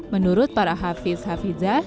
menurut para hafiz hafizah